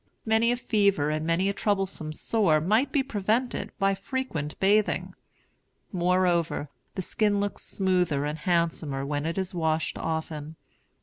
Many a fever and many a troublesome sore might be prevented by frequent bathing. Moreover, the skin looks smoother and handsomer when it is washed often.